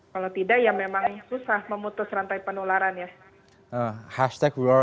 kalau tidak ya memang susah memutus rantai penularan ya